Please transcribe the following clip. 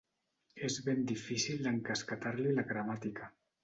És ben difícil d'encasquetar-li la gramàtica.